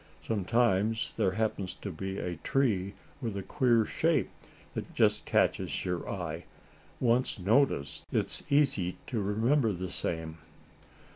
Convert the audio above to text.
Sometimes there happens to be a tree with a queer shape, that just catches your eye. Once noticed, it's easy to remember the same."